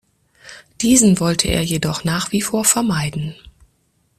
Diesen wollte er jedoch nach wie vor vermeiden.